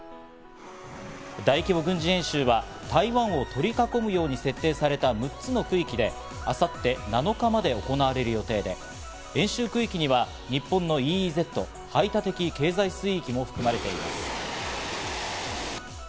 大規模軍事演習は台湾を取り囲むように設定された６つの区域で、明後日７日まで行われる予定で、演習区域には日本のＥＥＺ＝排他的経済水域も含まれています。